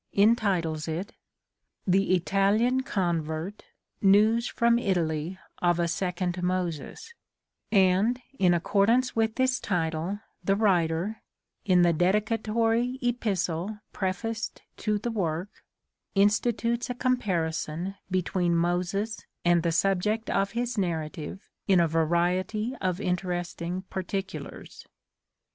entitles it —" The Italian Convert — Newes from Italy of a Second Moses "— and in accordance with this title the writer, in the dedicatory epistle prefaced to the work, institutes a comparison between Moses and the subject of his narrative in a variety of interesting particulars.